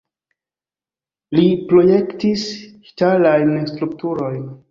Li projektis ŝtalajn strukturojn.